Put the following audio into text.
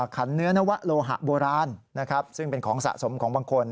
ขันเนื้อนวะโลหะโบราณนะครับซึ่งเป็นของสะสมของบางคน